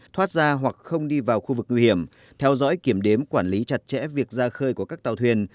thoát ra hoặc không đi vào khu vực nguy hiểm theo dõi kiểm đếm quản lý chặt chẽ việc ra khơi của các tàu thuyền